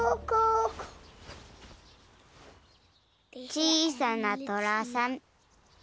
ちいさなトラさん。